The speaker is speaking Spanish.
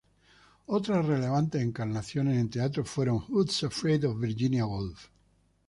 Otras relevantes encarnaciones en teatro fueron "Who's Afraid of Virginia Woolf?